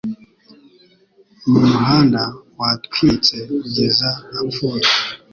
Mu muhanda watwitse kugeza apfuye